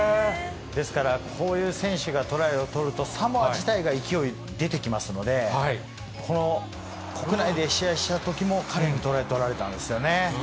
ですからこういう選手がトライを取ると、サモア自体が勢い出てきますので、この国内で試合したときも彼に取られたんですよね。